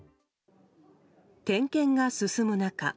点検が進む中